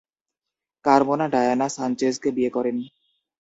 Carmona Diana সানচেজকে বিয়ে করেন।